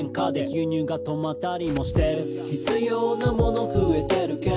「輸入が止まったりもしてる」「必要なもの増えてるけど」